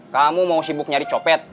kamu mau sibuk nyari copet